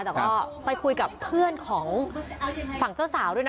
แต่ก็ไปคุยกับเพื่อนของฝั่งเจ้าสาวด้วยนะ